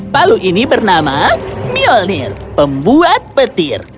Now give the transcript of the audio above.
palu ini bernama myolir pembuat petir